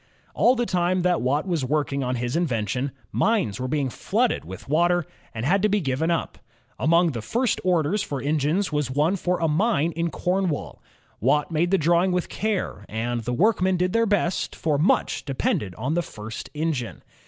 All the time that Watt was working on his invention, mines were being flooded with water and had to be given up. Among the first orders for engines was one for a mine in Cornwall. Watt made the drawing with care, and the workmen did their best, for much depended on the first engine.